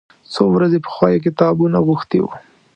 څو ورځې پخوا یې کتابونه غوښتي و.